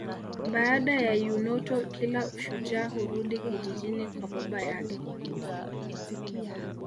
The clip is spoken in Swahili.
Baada ya eunoto kila shujaa hurudi kijijini kwa baba yake